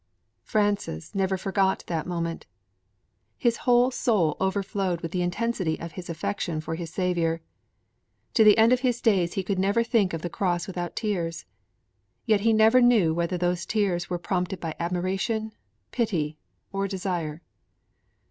Francis never forgot that moment. His whole soul overflowed with the intensity of his affection for his Saviour. To the end of his days he could never think of the Cross without tears; yet he never knew whether those tears were prompted by admiration, pity, or desire.